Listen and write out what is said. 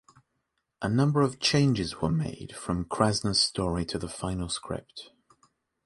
A number of changes were made from Krasna's story to the final script.